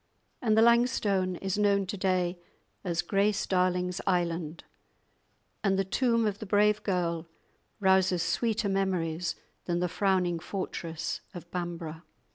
And the Langstone is known to day as "Grace Darling's Island," and the tomb of the brave girl rouses sweeter memories than the frowning fortress of Bamburgh.